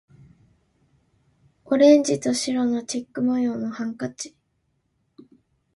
オレンジと白のチェック模様のハンカチ